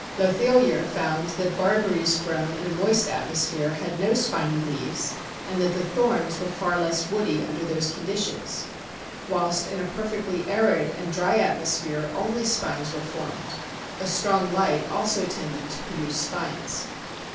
Lothelier found that Barberries grown in a moist atmosphere had no spiny leaves, and that the thorns were far less woody under those conditions, whilst in a perfectly arid and dry atmosphere only spines were formed; a strong light also tended to produce spines.